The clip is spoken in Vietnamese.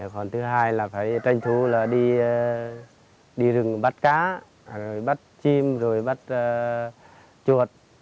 còn thứ hai là phải tranh thủ là đi rừng bắt cá bắt chim bắt chuột